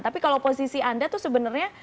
tapi kalau posisi anda tuh sebenarnya